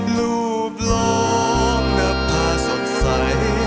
ลูบล้อมดับผ้าสดใส